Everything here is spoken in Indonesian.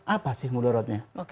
apa sih mudorotnya